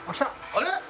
あれ？